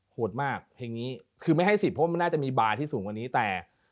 ก็ทำให้ได้สนุกอยู่ครับ